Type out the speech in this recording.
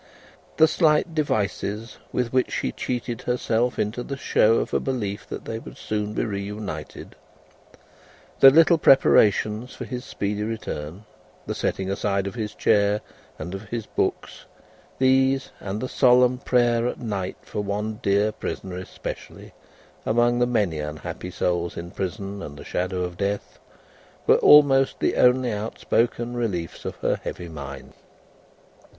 The slight devices with which she cheated herself into the show of a belief that they would soon be reunited the little preparations for his speedy return, the setting aside of his chair and his books these, and the solemn prayer at night for one dear prisoner especially, among the many unhappy souls in prison and the shadow of death were almost the only outspoken reliefs of her heavy mind.